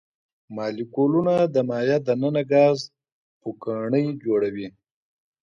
مالیکولونه د مایع د ننه ګاز پوکڼۍ جوړوي.